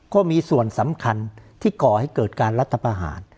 ก็มีส่วนสำคัญที่ก่อให้เกิดการรัฐประหาร